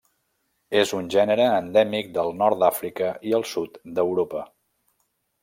És un gènere endèmic del nord d'Àfrica i el sud d'Europa.